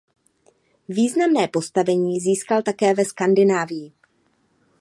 Významné postavení získal také ve Skandinávii.